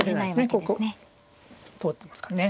ここ通ってますからね。